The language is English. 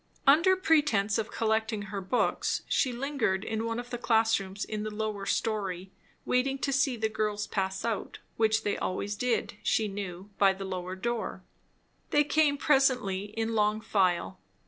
Under pretence of collecting her books, she lingered in one of the class rooms in the lower story, waiting to see the girls pass out, which they always did, she knew, by the lower door. They came presently in long file.